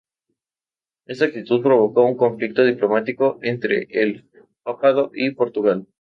Esta actitud provocó un conflicto diplomático entre el Papado y Portugal.